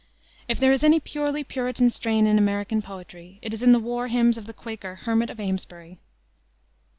If there is any purely Puritan strain in American poetry it is in the war hymns of the Quaker "Hermit of Amesbury."